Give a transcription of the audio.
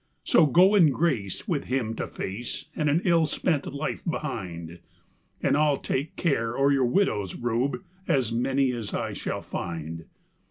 So go in grace with Him to face, and an ill spent life behind, And I'll take care o' your widows, Rube, as many as I shall find."